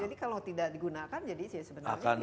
jadi kalau tidak digunakan jadi sebenarnya kita berhasil ya